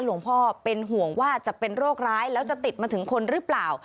หลวงพ่อเป็นห่วงว่าจะเป็นโรคร้ายแล้วจะติดมาถึงคนหรือเปล่า